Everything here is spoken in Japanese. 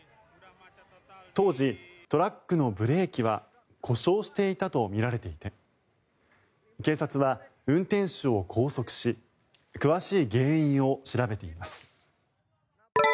当時、トラックのブレーキは故障していたとみられていて警察は運転手を拘束し詳しい原因を調べています。